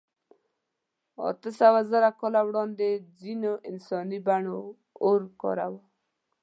اتهسوهزره کاله وړاندې ځینو انساني بڼو اور کاراوه.